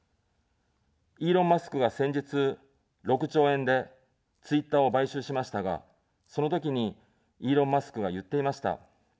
イーロン・マスクが先日、６兆円でツイッターを買収しましたが、そのときに、イーロン・マスクが言っていました。